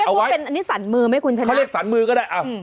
เขาเรียกว่าเป็นอันนี้สันมือไหมคุณชนะเขาเรียกสันมือก็ได้อ่า